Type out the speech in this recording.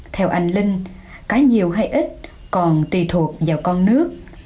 theo anh linh cá nhiều hay ít còn tùy thuộc vào con nước